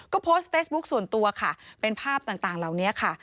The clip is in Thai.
ก็โพสต์เฟซบุ๊คส่วนตัวค่ะเป็นภาพต่างเหล่านี้ค่ะ